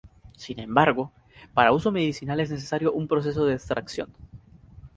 Sin embargo, para uso medicinal es necesario un proceso de extracción.